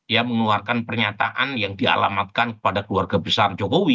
ya mengeluarkan pernyataan yang dialamatkan kepada keluarga besar jokowi